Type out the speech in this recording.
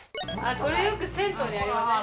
これよく銭湯にありません？